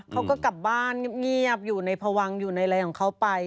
เขาก็กลับบ้านเงียบอยู่ในพวังอยู่ในอะไรของเขาไป